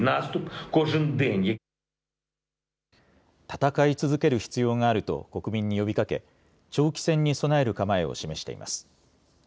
戦い続ける必要があると国民に呼びかけ長期戦に備える構えを示しています。